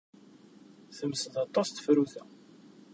Temsed aṭas tefrut-a.